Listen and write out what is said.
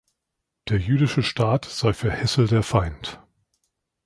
Der jüdische Staat sei für Hessel der Feind.